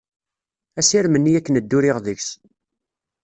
Asirem-nni akken dduriɣ deg-s.